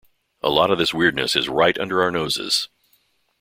A lot of this weirdness is right under our noses.